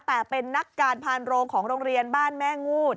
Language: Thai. แต่เป็นนักการพานโรงของโรงเรียนบ้านแม่งูด